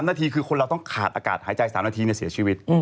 นาทีคือคนเราต้องขาดอากาศหายใจ๓นาทีเสียชีวิต